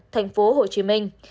thành phố hồ chí minh